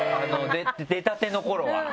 出たての頃は。